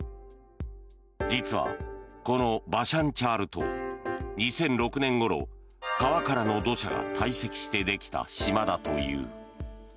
実は、このバシャンチャール島２００６年ごろ川からの土砂が堆積してできた島だという。